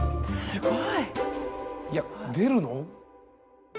すごい。いや出るの？